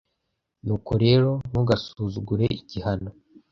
Nuko rero ntugasuzugure igihano